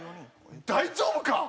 大丈夫か？